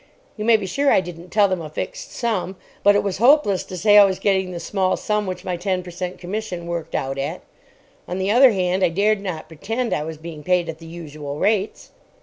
You may be sure I didn't tell them a fixed sum. But it was hopeless to say I was getting the small sum which my ten per cent. commission worked out at. On the other hand, I dared not pretend I was being paid at the usual rates.